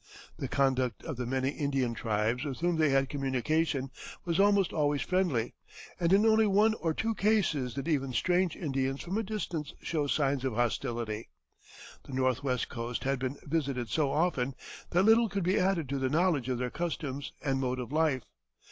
The conduct of the many Indian tribes with whom they had communication was almost always friendly, and in only one or two cases did even strange Indians from a distance show signs of hostility. The northwest coast had been visited so often that little could be added to the knowledge of their customs and mode of life.